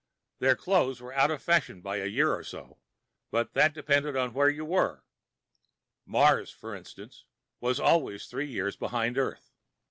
Their clothes were out of fashion by a year or so, but that depended on where you were. Mars, for instance, was always three years behind Earth.